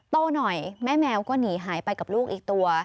โตหน่อยแม่แมวก็หนีหายไปกับลูกอีกตัว